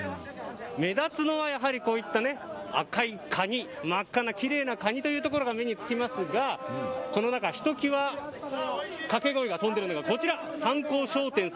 目立つのはやはり赤いカニ、真っ赤なきれいなカニというところが目につきますがこの中ひときわかけ声が飛んでいるのがこちら。